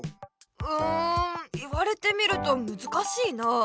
うん言われてみるとむずかしいなあ。